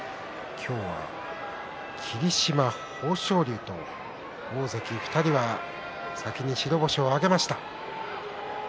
今日は霧島、豊昇龍と大関２人は先に白星を挙げました。